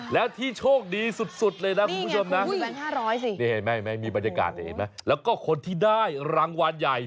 แล้วก็คนที่ได้รางวัลใหญ่